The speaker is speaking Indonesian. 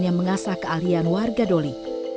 yang mengasah keahlian warga doli